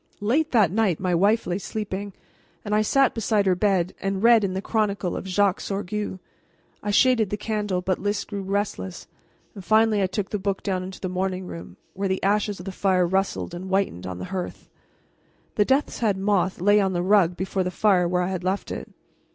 Late that night my wife lay sleeping, and I sat beside her bed and read in the Chronicle of Jacques Sorgue. I shaded the candle, but Lys grew restless, and finally I took the book down into the morning room, where the ashes of the fire rustled and whitened on the hearth. The death's head moth lay on the rug before the fire where I had left it.